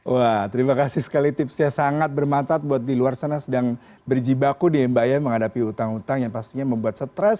wah terima kasih sekali tipsnya sangat bermantat buat di luar sana sedang berjibaku nih ya mbak ya menghadapi utang utang yang pastinya membuat stres